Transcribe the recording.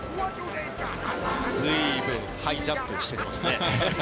ずいぶんハイジャンプしてますね。